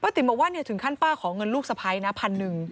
ติ๋มบอกว่าถึงขั้นป้าขอเงินลูกสะพ้ายนะพันหนึ่ง